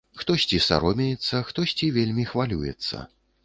Хтосьці саромеецца, хтосьці вельмі хвалюецца.